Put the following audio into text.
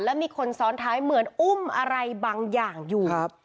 แล้วมีคนซ้อนท้ายเหมือนอุ้มอะไรบางอย่างอยู่